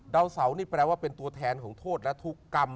ดาวเสานี่แปลว่าเป็นตัวแทนของโทษและทุกกรรม